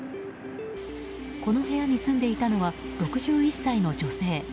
この部屋に住んでいたのは６１歳の女性。